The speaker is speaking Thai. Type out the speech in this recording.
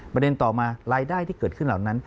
ประเด็นต่อมารายได้ที่เกิดขึ้นเหล่านั้น